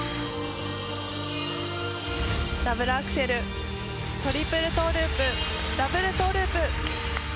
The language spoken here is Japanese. ダブルアクセルトリプルトゥループダブルトゥループ。